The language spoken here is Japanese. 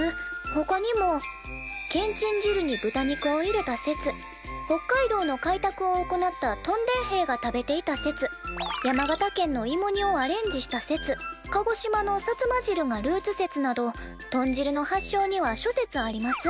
ほかにも「けんちん汁に豚肉を入れた説北海道の開拓を行った屯田兵が食べていた説山形県の芋煮をアレンジした説鹿児島の薩摩汁がルーツ説など豚汁の発祥には諸説あります」。